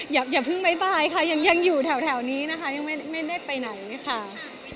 อย่าเพิ่งบ๊ายค่ะยังอยู่แถวนี้นะคะยังไม่ได้ไปไหนค่ะ